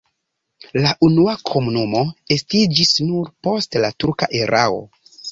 La unua komunumo estiĝis nur post la turka erao.